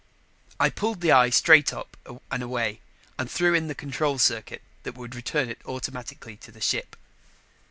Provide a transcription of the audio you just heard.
I pulled the eye straight up and away and threw in the control circuit that would return it automatically to the ship.